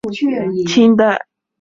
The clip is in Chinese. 雁田抗英旧址的历史年代为清代。